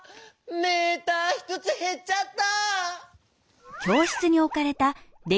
メーターひとつへっちゃった！